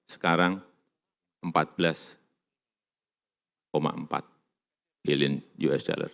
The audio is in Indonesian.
sekarang empat belas empat billion us dollar